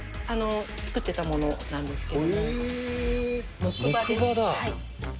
作ってたものなんですけれど木馬だ。